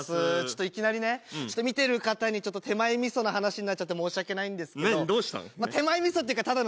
いきなりね見ている方に手前みそな話になっちゃって申し訳ないんですけど何どうしたの？